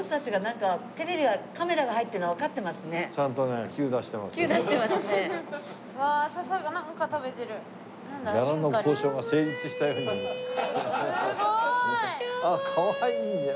かわいいよ。